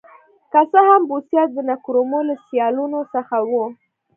که څه هم بوسیا د نکرومه له سیالانو څخه و.